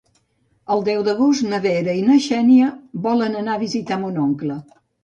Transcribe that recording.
El deu d'agost na Vera i na Xènia volen anar a visitar mon oncle.